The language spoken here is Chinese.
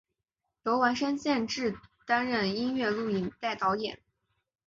由丸山健志担任音乐录影带导演。